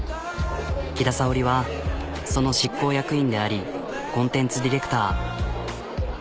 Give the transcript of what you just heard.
きださおりはその執行役員でありコンテンツディレクター。